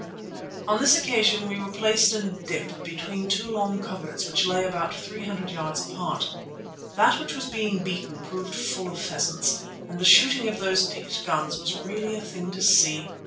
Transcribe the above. On this occasion we were placed in a dip between two long coverts which lay about three hundred yards apart. That which was being beaten proved full of pheasants, and the shooting of those picked guns was really a thing to see.